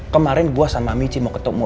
kemarin gue sama michi mau ketemu